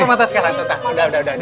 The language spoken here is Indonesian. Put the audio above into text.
tutup mata sekarang tutup udah udah udah